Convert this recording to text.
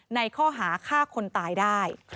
ในข้อหาฆ่าคนตายได้